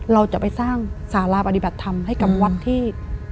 เราจะไปสร้างสาราร์บอธิบัติศัลไยให้กับวัดที่